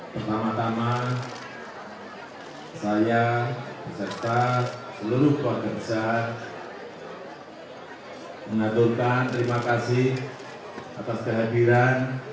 pertama tama saya beserta seluruh keluarga besar mengaturkan terima kasih atas kehadiran